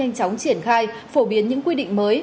nhanh chóng triển khai phổ biến những quy định mới